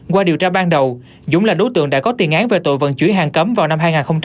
qua điều tra ban đầu dũng là đối tượng đã có tiền án về tội vận chuyển hàng cấm vào năm hai nghìn một mươi